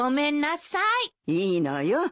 いいのよ。